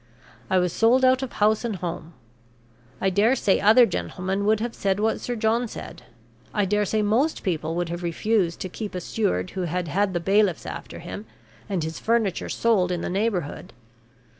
I was sold out of house and home. I dare say other gentlemen would have said what Sir John said; I dare say most people would have refused to keep a steward who had had the bailiffs after him, and his furniture sold in the neighborhood.